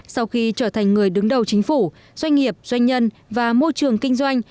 sau khi trở thành người đứng đầu chính phủ doanh nghiệp doanh nhân và môi trường kinh doanh